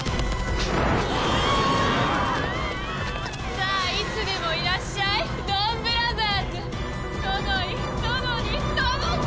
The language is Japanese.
さあいつでもいらっしゃいドンブラザーズソノイソノニソノザ！